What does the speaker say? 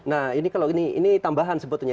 nah ini kalau ini tambahan sebetulnya